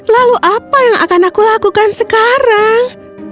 lalu apa yang akan aku lakukan sekarang